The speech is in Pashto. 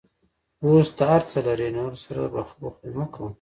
اوس ته هر څه لرې، له نورو سره بخل مه کوه.